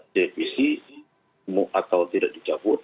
dpc atau tidak dicabut